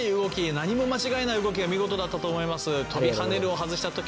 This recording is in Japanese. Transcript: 何も間違えない動きが見事だったと思います。